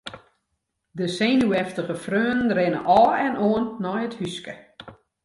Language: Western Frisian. De senuweftige freonen rinne ôf en oan nei it húske.